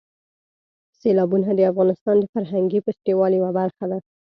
سیلابونه د افغانستان د فرهنګي فستیوالونو یوه برخه ده.